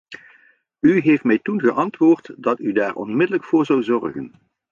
U heeft mij toen geantwoord dat u daar onmiddellijk voor zou zorgen.